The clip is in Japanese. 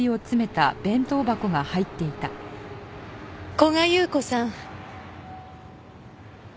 古賀優子さん。